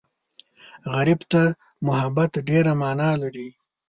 غریب ته محبت ډېره مانا لري